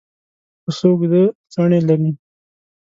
پسه اوږده څڼې لري.